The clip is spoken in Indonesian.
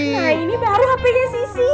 nah ini baru hpnya sisi